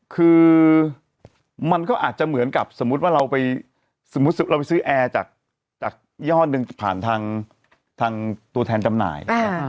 คือมันก็อาจจะเหมือนกับสมมุติว่าเราไปสมมุติเราไปซื้อแอร์จากยี่ห้อหนึ่งผ่านทางตัวแทนจำหน่าย